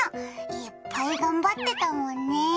いっぱい頑張ってたもんね。